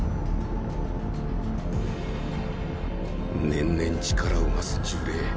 年々力を増す呪霊。